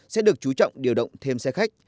sẽ được chú trọng điều động thêm xe khách